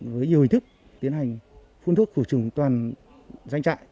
với nhiều hình thức tiến hành phun thuốc khử trùng toàn doanh trại